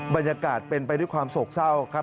บรรยากาศเป็นไปด้วยความโศกเศร้าครับ